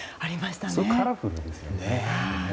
すごくカラフルですよね。